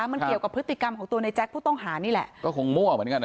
มันเกี่ยวกับพฤติกรรมของตัวในแจ๊คผู้ต้องหานี่แหละก็คงมั่วเหมือนกันนะ